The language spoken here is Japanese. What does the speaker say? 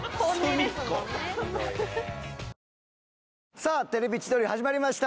さあ『テレビ千鳥』始まりました。